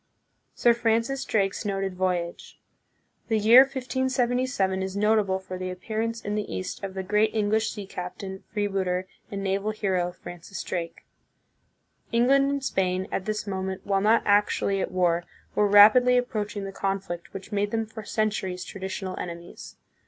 Sir Francis Drake's Noted Voyage. The year 1577 is notable for the appearance in the East of the great Eng lish sea captain, freebooter, and naval hero, Francis Drake. England and Spain, at this moment, while not actually at war, were rapidly approaching the conflict which made them for centuries traditional enemies.